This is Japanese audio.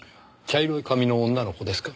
茶色い髪の女の子ですか？